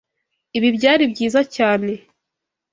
Ibi byari byiza cyane.